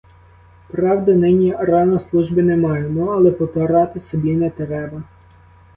Правда, нині рано служби не маю, ну, але потурати собі не треба.